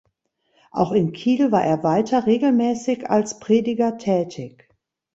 Auch in Kiel war er weiter regelmäßig als Prediger tätig.